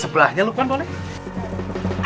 sebelahnya lukman boleh